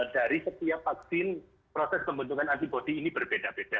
dari setiap vaksin proses pembentukan antibody ini berbeda beda